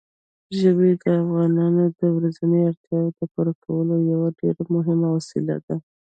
ژبې د افغانانو د ورځنیو اړتیاوو د پوره کولو یوه ډېره مهمه وسیله ده.